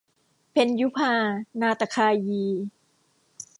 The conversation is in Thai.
เพ็ญยุภา นาฏคายี